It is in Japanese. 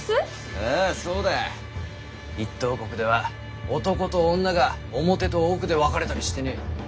あぁそうだ。一等国では男と女が表と奥で分かれたりしてねぇ。